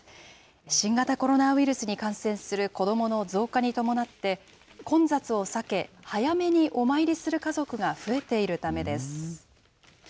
新型コロナウイルスに感染する子どもの増加に伴って、混雑を避け、早めにお参りする家族が増えているためです。